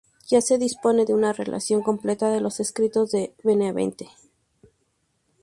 Ya se dispone de una relación completa de los escritos de Benavente.